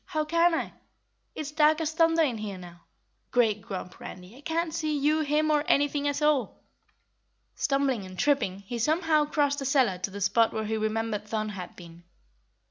How can I? It's dark as thunder in here now! Great Grump, Randy, I can't see you, him or anything at all." Stumbling and tripping, he somehow crossed the cellar to the spot where he remembered Thun had been.